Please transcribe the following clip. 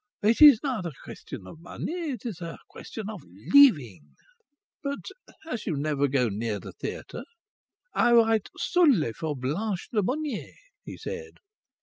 It is not a question of money, it is a question of living." "But as you never go near the theatre " "I write solely for Blanche Lemonnier," he said.